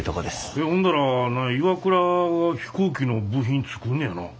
ほんだらＩＷＡＫＵＲＡが飛行機の部品作んねやなぁ。